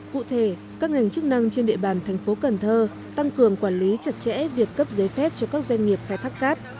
cụ thể các ngành chức năng trên địa bàn tp cn tăng cường quản lý chặt chẽ việc cấp giấy phép cho các doanh nghiệp khai thác cát